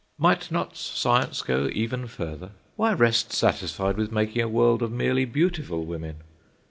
Might not Science go even further? Why rest satisfied with making a world of merely beautiful women?